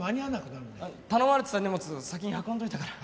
頼まれてた荷物先に運んどいたから。